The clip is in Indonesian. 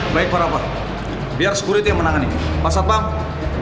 baik para pak biar sekurit yang menangani pasang